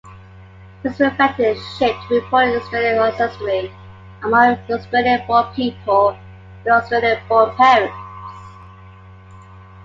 This reflected a shift to reporting Australian ancestry among Australian-born people with Australian-born parents.